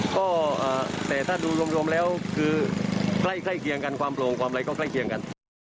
ก็แต่ถ้าดูรวมแล้วคือใกล้เคียงกันความโปร่งความอะไรก็ใกล้เคียงกัน